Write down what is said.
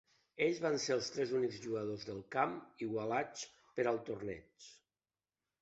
Ells van ser els tres únics jugadors del camp igualats per al torneig.